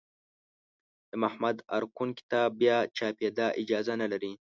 د محمد ارکون کتاب بیا چاپېدا اجازه نه لري.